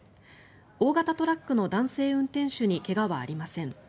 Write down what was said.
大型トラックの男性運転手に怪我はありません。